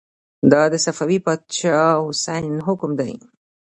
دا د صفوي پاچا شاه حسين حکم دی.